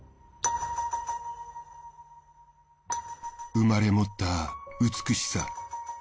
生まれ持った美しさ。